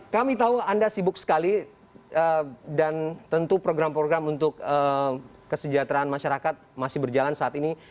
kami tahu anda sibuk sekali dan tentu program program untuk kesejahteraan masyarakat masih berjalan saat ini